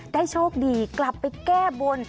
โชคดีกลับไปแก้บน